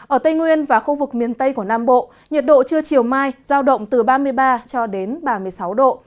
ở tây nguyên và khu vực miền tây của nam bộ nhiệt độ trưa chiều mai giao động từ ba mươi ba cho đến ba mươi sáu độ